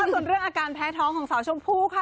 ส่วนเรื่องอาการแพ้ท้องของสาวชมพู่ค่ะ